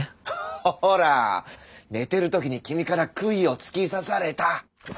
ほら寝てるときに君から杭を突き刺された。